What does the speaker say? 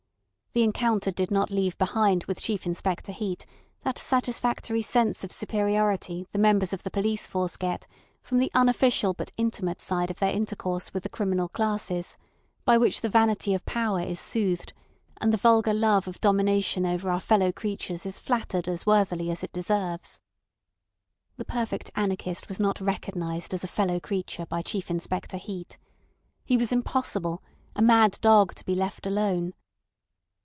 The encounter did not leave behind with Chief Inspector Heat that satisfactory sense of superiority the members of the police force get from the unofficial but intimate side of their intercourse with the criminal classes, by which the vanity of power is soothed, and the vulgar love of domination over our fellow creatures is flattered as worthily as it deserves. The perfect anarchist was not recognised as a fellow creature by Chief Inspector Heat. He was impossible—a mad dog to be left alone.